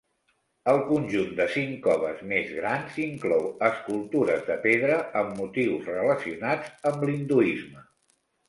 El conjunt de cinc coves més grans inclou escultures de pedra amb motius relacionats amb l'hinduisme.